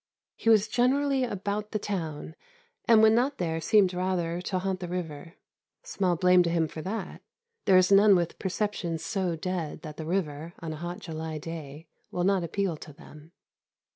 He was generally "about the town," and when not there seemed rather to haunt the river. Small blame to him for that; there is none with perceptions so dead that the river, on a hot July day, will not appeal to them.